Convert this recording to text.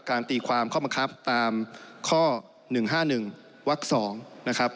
การตีความความมะครับตามข้อ๑๕๑วัก๒นะครับ